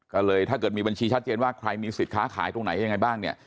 ถ้าเกิดแบบนี้มีบรรชีแชทเจนว่าใครมีขายตรงไหนให้บ้าง